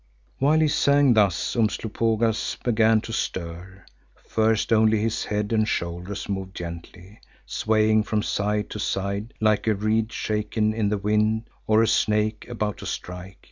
While he sang thus Umslopogaas began to stir. First only his head and shoulders moved gently, swaying from side to side like a reed shaken in the wind or a snake about to strike.